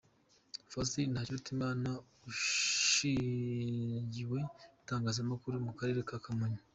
Faustin Ntakirutimana ushnziwe itangazamakuru mu Karere ka Kamonyi .